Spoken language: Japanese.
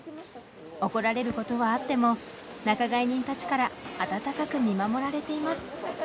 怒られることはあっても仲買人たちから温かく見守られています。